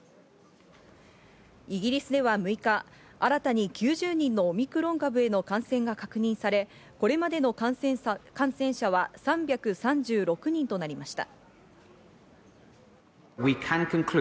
イギリスでは６日、新たに９０人のオミクロン株への感染が確認され、これまでの感染者は３３６人となりました。